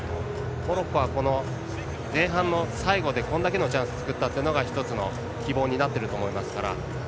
モロッコは前半の最後でこれだけのチャンス作ったというのが１つの希望になっていると思いますから。